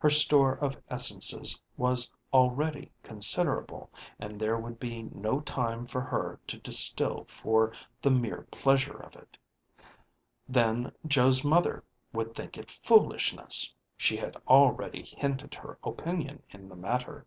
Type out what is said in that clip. Her store of essences was already considerable, and there would be no time for her to distil for the mere pleasure of it. Then Joe's mother would think it foolishness; she had already hinted her opinion in the matter.